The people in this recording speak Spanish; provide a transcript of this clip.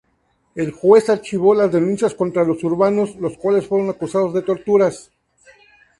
El juez archivó las denuncias contra los urbanos, los cuales fueron acusados de torturas.